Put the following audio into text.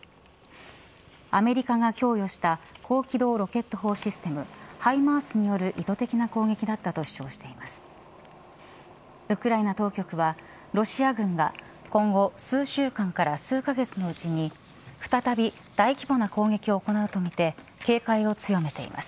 アメリカが供与した高機動ロケット砲システムハイマースによる意図的な攻撃だったと主張しています。